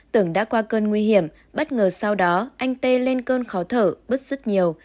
tưởng đã qua cơn nguy hiểm bất ngờ sau đó anh t lên cơn khó thở bứt rất nhiều